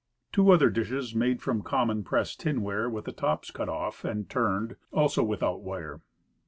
Two other dishes made from common pressed tinware, with the tops cut off and turned, also without wire.